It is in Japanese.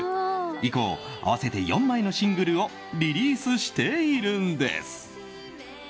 以降、合わせて４枚のシングルをリリースしているんです。